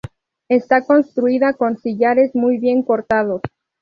Está construida con sillares muy bien cortados.